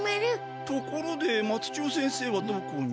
ところで松千代先生はどこに？